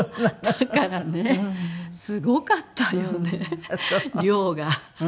だからねすごかったよね量が。